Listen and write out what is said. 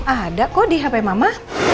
ada kok di hp mama